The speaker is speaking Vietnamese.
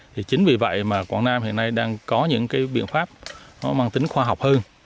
thì chính vì vậy mà quảng nam hiện nay đang có những cái biện pháp nó mang tính khoa học hơn